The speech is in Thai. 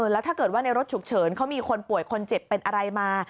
แล้วถ้าเกิดว่าในรถฉุกเฉินเขามีคนป่วยคนเจ็บเป็นอะไรมา